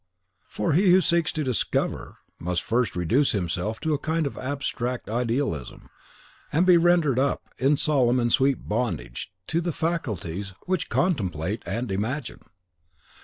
For he who seeks to DISCOVER must first reduce himself into a kind of abstract idealism, and be rendered up, in solemn and sweet bondage, to the faculties which CONTEMPLATE and IMAGINE.